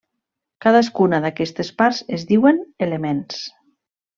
Cadascuna d'aquestes parts es diuen elements.